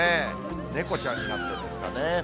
猫ちゃんになってるんですかね。